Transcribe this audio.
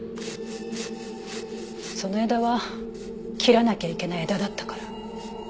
その枝は切らなきゃいけない枝だったから。